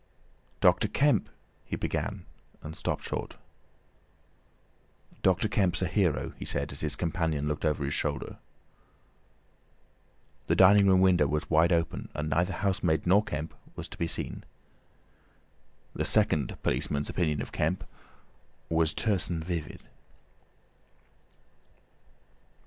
"Doctor Kemp—" he began, and stopped short. "Doctor Kemp's a hero," he said, as his companion looked over his shoulder. The dining room window was wide open, and neither housemaid nor Kemp was to be seen. The second policeman's opinion of Kemp was terse and vivid.